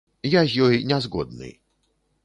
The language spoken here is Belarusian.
Я з ёй не згодны.